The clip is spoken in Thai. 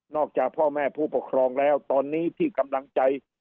จากพ่อแม่ผู้ปกครองแล้วตอนนี้ที่กำลังใจ